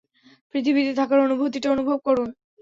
পৃথিবীতে থাকার অনুভূতিটা অনুভব করুন।